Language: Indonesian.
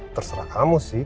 terserah kamu sih